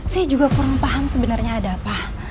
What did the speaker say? saya juga kurang paham sebenarnya ada apa